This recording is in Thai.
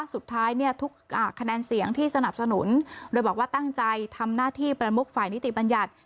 สุดท้ายเนี่ยทุกคะแนนเสียงที่สนับสนุนโดยบอกว่าตั้งใจทำหน้าที่ประมุกฝ่ายนิติบัญญัติ